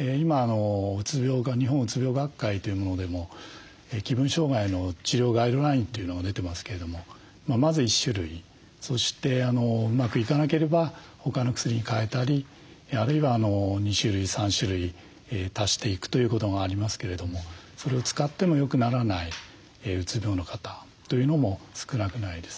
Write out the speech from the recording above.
今うつ病が日本うつ病学会というものでも気分障害の治療ガイドラインというのが出てますけれどもまず１種類そしてうまくいかなければ他の薬に替えたりあるいは２種類３種類足していくということがありますけれどもそれを使ってもよくならないうつ病の方というのも少なくないです。